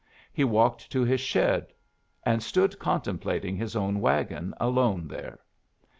He walked to his shed and stood contemplating his own wagon alone there.